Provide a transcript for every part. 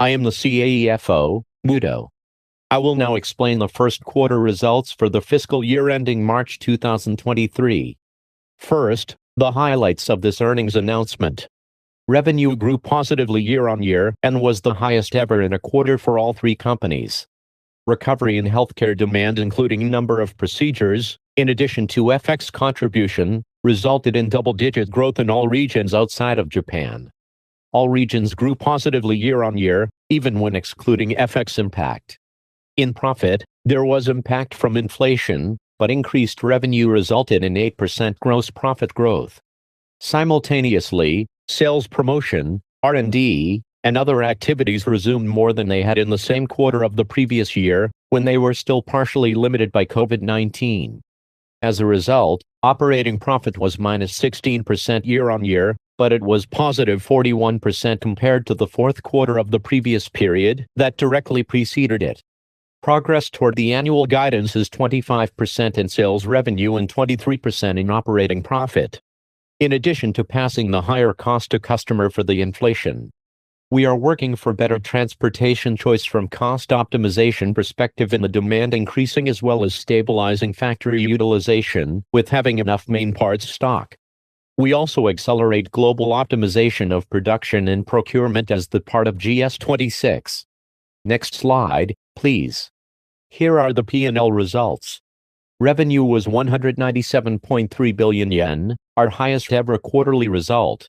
I am the CAFO, Muto. I will now explain the first quarter results for the fiscal year ending March 2023. First, the highlights of this earnings announcement. Revenue grew positively year-on-year and was the highest ever in a quarter for all three companies. Recovery in healthcare demand including number of procedures, in addition to FX contribution, resulted in double-digit growth in all regions outside of Japan. All regions grew positively year-on-year, even when excluding FX impact. In profit, there was impact from inflation, but increased revenue resulted in 8% gross profit growth. Simultaneously, sales promotion, R&D, and other activities resumed more than they had in the same quarter of the previous year, when they were still partially limited by COVID-19. As a result, operating profit was -16% year-on-year, but it was +41% compared to the fourth quarter of the previous period that directly preceded it. Progress toward the annual guidance is 25% in sales revenue and 23% in operating profit. In addition to passing the higher cost to customer for the inflation, we are working for better transportation choice from cost optimization perspective in the demand increasing as well as stabilizing factory utilization with having enough main parts stock. We also accelerate global optimization of production and procurement as the part of GS26. Next slide, please. Here are the P&L results. Revenue was 197.3 billion yen, our highest ever quarterly result.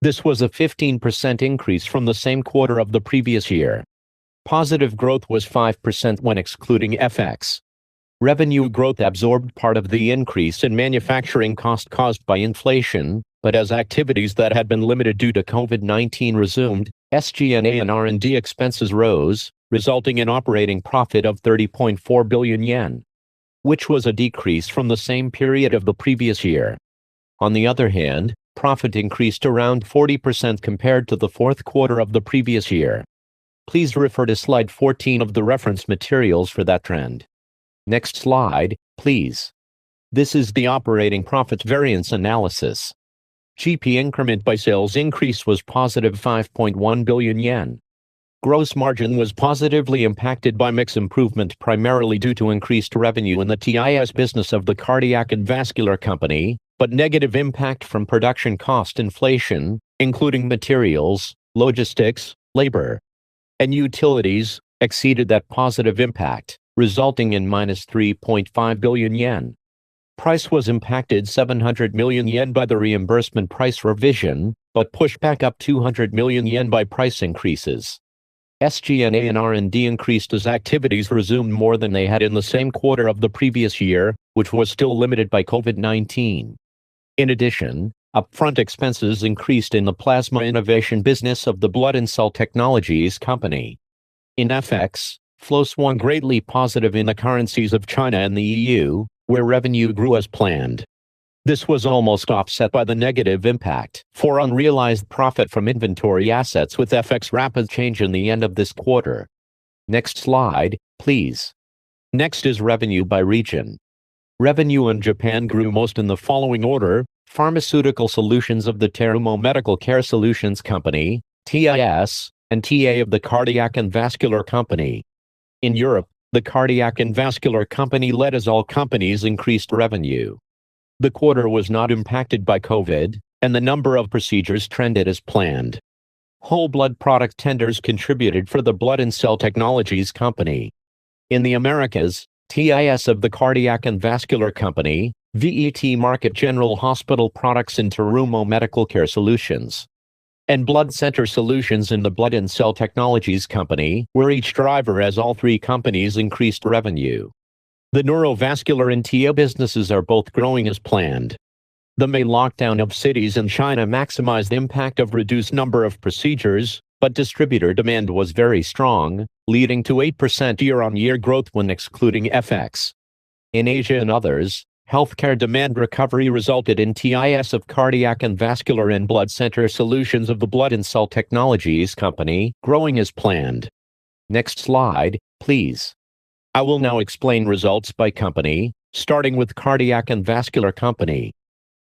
This was a 15% increase from the same quarter of the previous year. Positive growth was 5% when excluding FX. Revenue growth absorbed part of the increase in manufacturing cost caused by inflation, but as activities that had been limited due to COVID-19 resumed, SG&A and R&D expenses rose, resulting in operating profit of 30.4 billion yen, which was a decrease from the same period of the previous year. On the other hand, profit increased around 40% compared to the fourth quarter of the previous year. Please refer to Slide 14 of the reference materials for that trend. Next slide, please. This is the operating profit variance analysis. GP increment by sales increase was positive 5.1 billion yen. Gross margin was positively impacted by mix improvement primarily due to increased revenue in the TIS business of the Cardiac and Vascular Company, but negative impact from production cost inflation, including materials, logistics, labor, and utilities, exceeded that positive impact, resulting in minus 3.5 billion yen. Price was impacted 700 million yen by the reimbursement price revision, but pushed back up 200 million yen by price increases. SG&A and R&D increased as activities resumed more than they had in the same quarter of the previous year, which was still limited by COVID-19. In addition, upfront expenses increased in the Plasma Innovation business of the Blood and Cell Technologies Company. In FX, flow swung greatly positive in the currencies of China and the EU, where revenue grew as planned. This was almost offset by the negative impact of unrealized profit from inventory assets with FX rapid change at the end of this quarter. Next slide, please. Next is revenue by region. Revenue in Japan grew most in the following order: Pharmaceutical Solutions of the Terumo Medical Care Solutions Company, TIS, and TA of the Cardiac and Vascular Company. In Europe, the Cardiac and Vascular Company led as all companies increased revenue. The quarter was not impacted by COVID, and the number of procedures trended as planned. Whole blood product tenders contributed to the Blood and Cell Technologies Company. In the Americas, TIS of the Cardiac and Vascular Company, Vet Market/General Hospital Products in Terumo Medical Care Solutions, and Blood Center Solutions in the Blood and Cell Technologies Company were each driver as all three companies increased revenue. The neurovascular and TA businesses are both growing as planned. The May lockdown of cities in China maximized the impact of reduced number of procedures, but distributor demand was very strong, leading to 8% year-on-year growth when excluding FX. In Asia and others, healthcare demand recovery resulted in TIS of Cardiac & Vascular and Blood Center Solutions of the Blood and Cell Technologies Company growing as planned. Next slide, please. I will now explain results by company, starting with Cardiac & Vascular Company.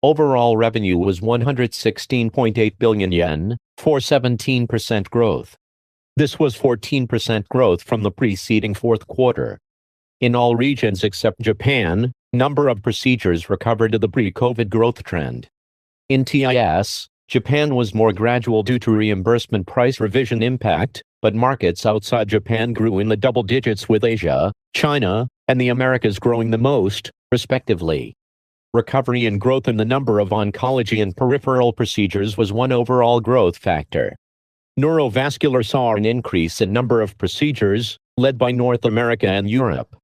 Overall revenue was 116.8 billion yen, for 17% growth. This was 14% growth from the preceding fourth quarter. In all regions except Japan, number of procedures recovered to the pre-COVID growth trend. In TIS, Japan was more gradual due to reimbursement price revision impact, but markets outside Japan grew in the double digits with Asia, China, and the Americas growing the most, respectively. Recovery and growth in the number of oncology and peripheral procedures was one overall growth factor. Neurovascular saw an increase in number of procedures led by North America and Europe.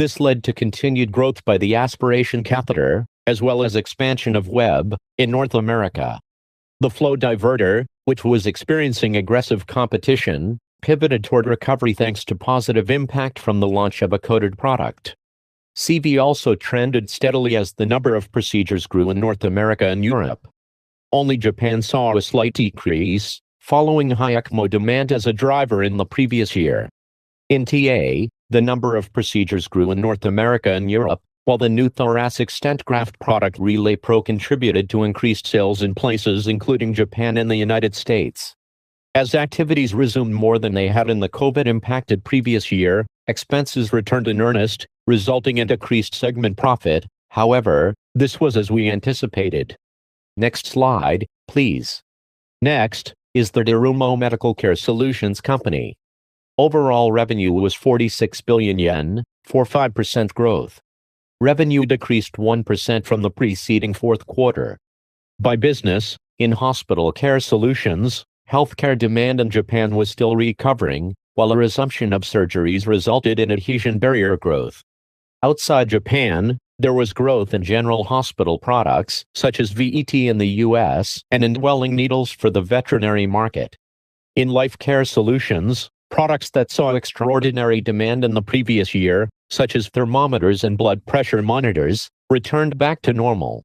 This led to continued growth by the aspiration catheter, as well as expansion of WEB in North America. The flow diverter, which was experiencing aggressive competition, pivoted toward recovery thanks to positive impact from the launch of a coated product. CV also trended steadily as the number of procedures grew in North America and Europe. Only Japan saw a slight decrease following high ECMO demand as a driver in the previous year. In TA, the number of procedures grew in North America and Europe, while the new thoracic stent graft product RelayPro contributed to increased sales in places including Japan and the United States. As activities resumed more than they had in the COVID-impacted previous year, expenses returned in earnest, resulting in decreased segment profit. However, this was as we anticipated. Next slide, please. Next is the Terumo Medical Care Solutions Company. Overall revenue was 46 billion yen for 5% growth. Revenue decreased 1% from the preceding fourth quarter. By business, in Hospital Care Solutions, healthcare demand in Japan was still recovering, while a resumption of surgeries resulted in adhesion barrier growth. Outside Japan, there was growth in general hospital products such as SUR-VET in the U.S. and indwelling needles for the veterinary market. In Life Care Solutions, products that saw extraordinary demand in the previous year, such as thermometers and blood pressure monitors, returned back to normal.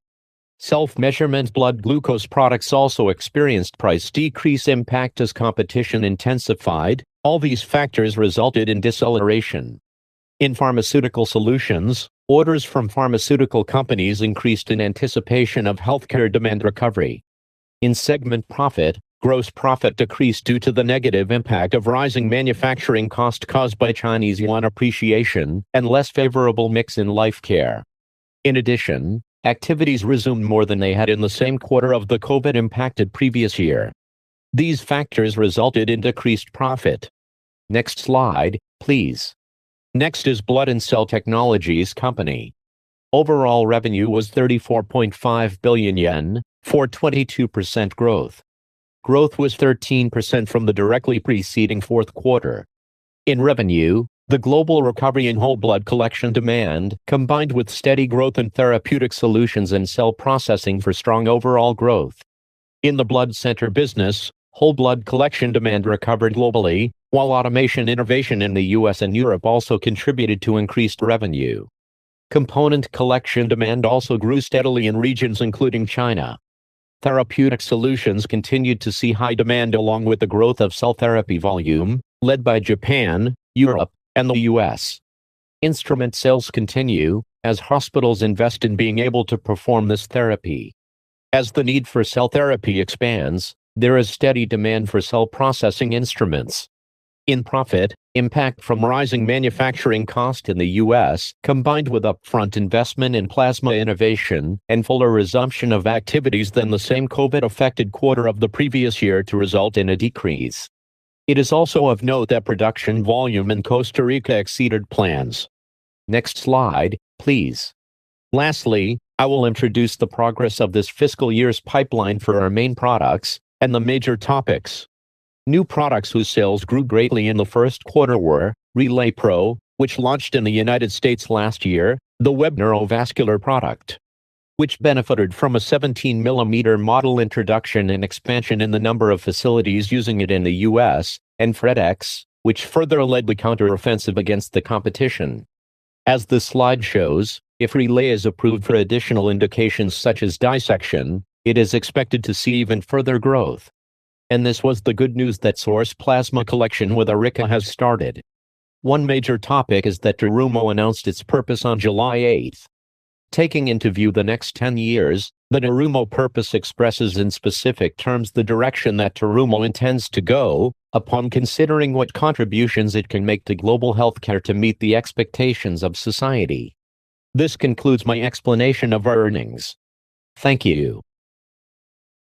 Self-measurement blood glucose products also experienced price decrease impact as competition intensified. All these factors resulted in deceleration. In Pharmaceutical Solutions, orders from pharmaceutical companies increased in anticipation of healthcare demand recovery. In segment profit, gross profit decreased due to the negative impact of rising manufacturing cost caused by Chinese yuan appreciation and less favorable mix in Life Care. In addition, activities resumed more than they had in the same quarter of the COVID-impacted previous year. These factors resulted in decreased profit. Next slide, please. Next is Blood and Cell Technologies Company. Overall revenue was 34.5 billion yen for 22% growth. Growth was 13% from the directly preceding fourth quarter. In revenue, the global recovery in whole blood collection demand combined with steady growth in therapeutic solutions and cell processing for strong overall growth. In the blood center business, whole blood collection demand recovered globally, while automation innovation in the U.S. and Europe also contributed to increased revenue. Component collection demand also grew steadily in regions including China. Therapeutic solutions continued to see high demand along with the growth of cell therapy volume led by Japan, Europe, and the U.S. Instrument sales continue as hospitals invest in being able to perform this therapy. As the need for cell therapy expands, there is steady demand for cell processing instruments. In profit, impact from rising manufacturing cost in the U.S. combined with upfront investment in Plasma Innovation and fuller resumption of activities than the same COVID-affected quarter of the previous year to result in a decrease. It is also of note that production volume in Costa Rica exceeded plans. Next slide, please. Lastly, I will introduce the progress of this fiscal year's pipeline for our main products and the major topics. New products whose sales grew greatly in the first quarter were RelayPro, which launched in the United States last year. The WEB neurovascular product benefited from a 17-millimeter model introduction and expansion in the number of facilities using it in the U.S. FRED X further led the counteroffensive against the competition. As the slide shows, if RelayPro is approved for additional indications such as dissection, it is expected to see even further growth. This was the good news that source plasma collection with Rika has started. One major topic is that Terumo announced its purpose on July 8th. Taking into view the next 10 years, the Terumo Purpose expresses in specific terms the direction that Terumo intends to go upon considering what contributions it can make to global healthcare to meet the expectations of society. This concludes my explanation of our earnings. Thank you.